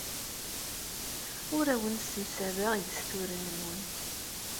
Ur awen-ssemsadeɣ igesturen-nwen.